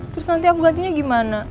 terus nanti aku gantinya gimana